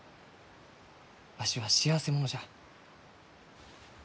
わしは幸せ者じゃ。